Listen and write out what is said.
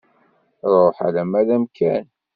Ruḥ alamma d amkan.